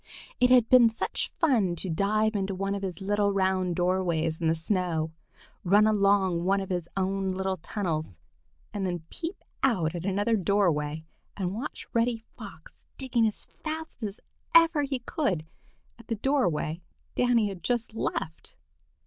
It had been such fun to dive into one of his little round doorways in the snow, run along one of his own little tunnels, and then peep out at another doorway and watch Reddy Fox digging as fast as ever he could at the doorway Danny had just left.